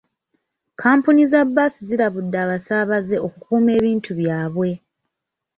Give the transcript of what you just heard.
Kkampuni za bbaasi zirabuladde abasaabaze okukuuma ebintu byabwe.